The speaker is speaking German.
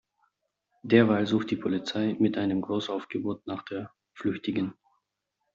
Derweil sucht die Polizei mit einem Großaufgebot nach der Flüchtigen.